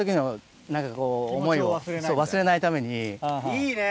いいね。